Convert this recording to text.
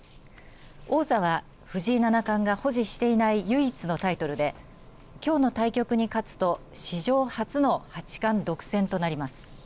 王座は藤井七冠が保持していない唯一のタイトルできょうの対局に勝つと史上初の八冠独占となります。